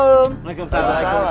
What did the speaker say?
deh enggak tuh saya nyebut